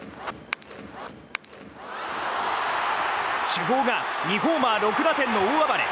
主砲が２ホーマー６打点の大暴れ！